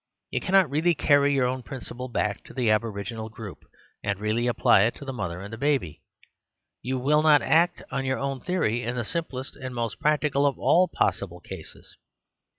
You cannot really carry your own principle ^ 68 The Superstition of Divorce back to the aboriginal group, and really apply it to the mother and the baby. You will not act on you own theory in the simplest and most practical of all possible cases.